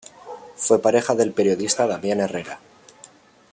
Fue pareja del periodista Damián Herrera.